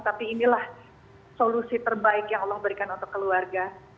tapi inilah solusi terbaik yang allah berikan untuk keluarga